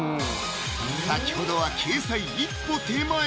先ほどは掲載一歩手前！